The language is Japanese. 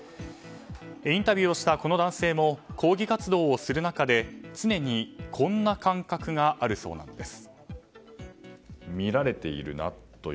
インタビューをしたこの男性も抗議活動をする中で常にこんな感覚があるそうです。